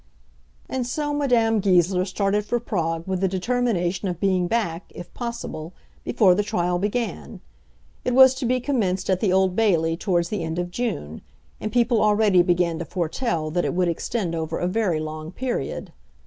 And so Madame Goesler started for Prague with the determination of being back, if possible, before the trial began. It was to be commenced at the Old Bailey towards the end of June, and people already began to foretell that it would extend over a very long period.